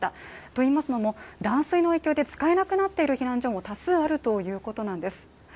といいますのも、断水の影響で使えなくなっている避難所も多数あるということなんです。